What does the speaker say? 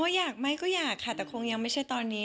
อยากไหมก็อยากค่ะแต่คงยังไม่ใช่ตอนนี้